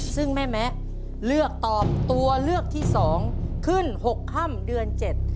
ซึ่งแม่แมะเลือกตอบตัวเลือกที่สองขึ้น๖ค่ำเดือน๗